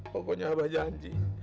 pokoknya abah janji